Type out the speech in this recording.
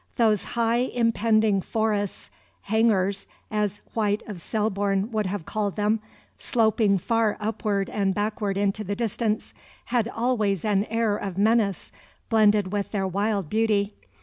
Those high impending forests, "hangers," as White of Selborne would have called them, sloping far upward and backward into the distance, had always an air of menace blended with their wild beauty.